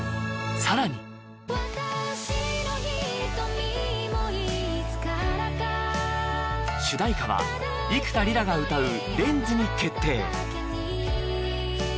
さらに主題歌は幾田りらが歌う「レンズ」に決定